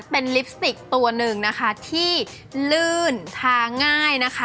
เป็นลิปสติกตัวหนึ่งนะคะที่ลื่นทาง่ายนะคะ